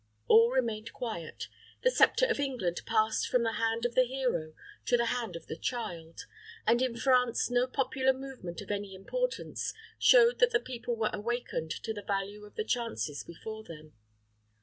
All remained quiet; the sceptre of England passed from the hand of the hero to the hand of the child; and in France no popular movement of any importance showed that the people were awakened to the value of the chances before them.